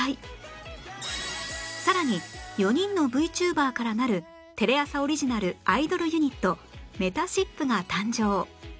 さらに４人の ＶＴｕｂｅｒ からなるテレ朝オリジナルアイドルユニットめたしっぷが誕生！